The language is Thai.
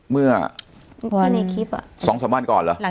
เมื่อ๒๓วันก่อนเหรอ